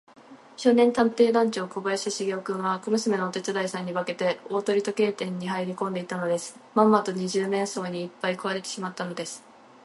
少年探偵団長小林芳雄君は、小娘のお手伝いさんに化けて、大鳥時計店にはいりこんでいたのです。まんまと二十面相にいっぱい食わせてしまったのです。